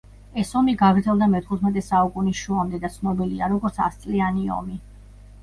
ეს ომი გაგრძელდა მეთხუთმეტე საუკუნის შუამდე და ცნობილია როგორც ასწლიანი ომი.